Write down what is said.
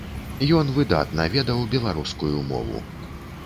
Ён выдатна ведаў беларускую мову.